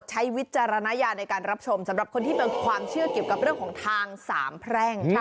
วิจารณญาในการรับชมสำหรับคนที่เป็นความเชื่อเกี่ยวกับเรื่องของทางสามแพร่ง